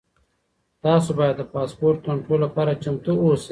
تاسو باید د پاسپورټ کنټرول لپاره چمتو اوسئ.